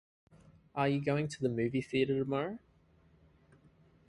Are you going to the movie theater tomorrow?